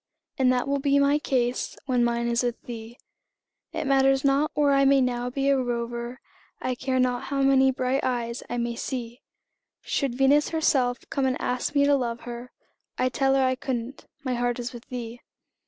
And that will be my case when mine is with thee. It matters not where I may now be a rover, I care not how many bright eyes I may see; Should Venus herself come and ask me to love her, I'd tell her I couldn't my heart is with thee.